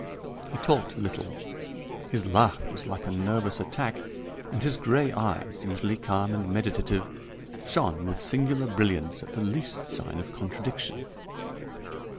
He talked little; his laugh was like a nervous attack, and his gray eyes, usually calm and meditative, shone with singular brilliance at the least sign of contradiction.